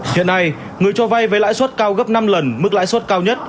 hiện nay người cho vay với lãi suất cao gấp năm lần mức lãi suất cao nhất